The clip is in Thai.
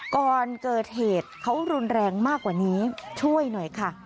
ก่อนเกิดเหตุเขารุนแรงมากกว่านี้ช่วยหน่อยค่ะ